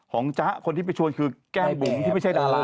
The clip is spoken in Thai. จ๊ะคนที่ไปชวนคือแก้มบุ๋มที่ไม่ใช่ดารา